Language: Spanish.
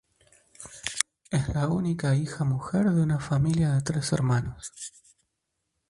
Es la única hija mujer de una familia de tres hermanos.